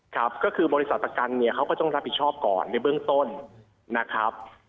ครับก็คือบริษัทประกันเนี่ยเขาก็ต้องรับผิดชอบก่อนในเบื้องต้นนะครับ